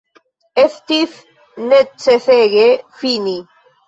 Estis necesege fini.